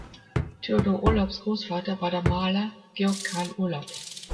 Theodor Urlaubs Großvater war der Maler Georg Karl Urlaub.